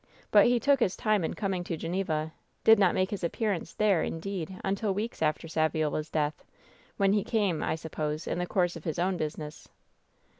But he took his time in coming to Ge neva ; did not make his appearance there, indeed, until weeks after Saviola's death, when he came, I suppose, in the course of his own business."